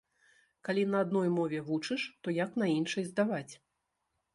Калі на адной мове вучыш, то як на іншай здаваць?